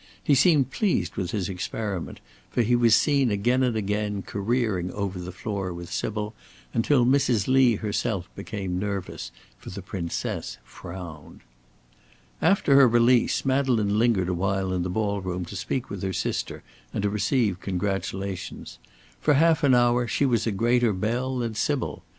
He seemed pleased with his experiment, for he was seen again and again careering over the floor with Sybil until Mrs. Lee herself became nervous, for the Princess frowned. After her release Madeleine lingered awhile in the ball room to speak with her sister and to receive congratulations. For half an hour she was a greater belle than Sybil.